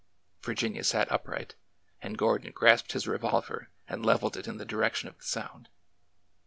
Virginia sat upright, and Gordon grasped his revolver and leveled it in the di rection of the sound.